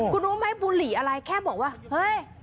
คุณรู้ไหมบุหรี่อะไรแค่บอกว่าเฮ้ย